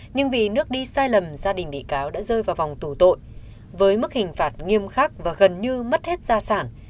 nhưng vì nước đi sai lầm gia đình bị cáo đã rơi vào vòng tù tội với mức hình phạt nghiêm khắc và gần như mất hết gia sản